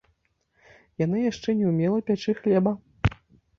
Яна яшчэ не ўмела пячы хлеба.